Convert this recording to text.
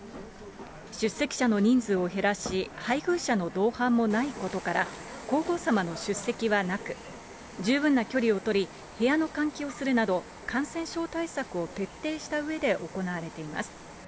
出席者の人数を減らし、配偶者の同伴もないことから、皇后さまの出席はなく、十分な距離を取り、部屋の換気をするなど、感染症対策を徹底したうえで行われています。